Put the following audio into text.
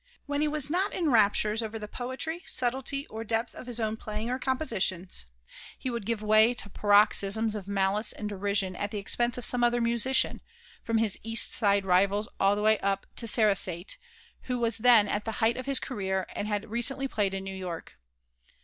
When he was not in raptures over the poetry, subtlety, or depth of his own playing or compositions, he would give way to paroxysms of malice and derision at the expense of some other musician, from his East Side rivals all the way up to Sarasate, who was then at the height of his career and had recently played in New York.